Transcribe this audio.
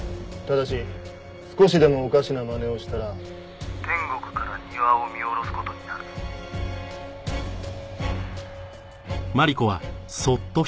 ただし少しでもおかしなまねをしたら天国から庭を見下ろす事になる。